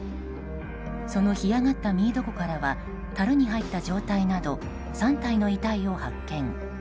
その干上がったミード湖からはたるに入った状態など３体の遺体を発見。